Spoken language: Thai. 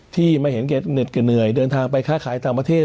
ที่ไม่เห็นเกิดเน็ตเกิดเหนื่อยเดินทางไปค่าขายต่างประเทศ